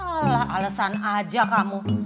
alah alasan aja kamu